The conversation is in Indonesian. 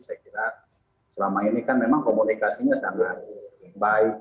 saya kira selama ini kan memang komunikasinya sangat baik